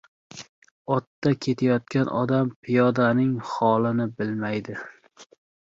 • Otda ketayotgan odam piyodaning holini bilmaydi.